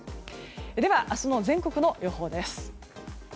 では、明日の全国の予報です。